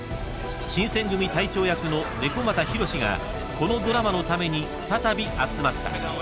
［新撰組隊長役の猫俣博志がこのドラマのために再び集まった］